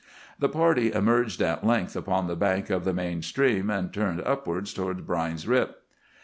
The party emerged at length upon the bank of the main stream, and turned upwards towards Brine's Rip.